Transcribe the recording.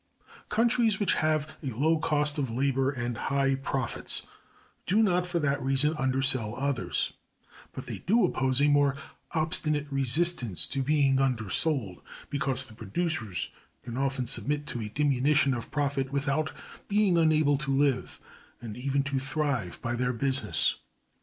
Countries which have a low cost of labor and high profits do not for that reason undersell others, but they do oppose a more obstinate resistance to being undersold, because the producers can often submit to a diminution of profit without being unable to live, and even to thrive, by their business.